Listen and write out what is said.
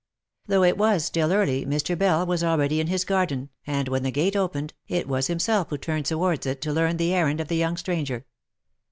Though it was still early, Mr. Bell was already in his garden, and when the gate opened, it was himself who turned towards it to learn the errand of the young stranger.